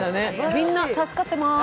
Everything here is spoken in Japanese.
みんな助かってます。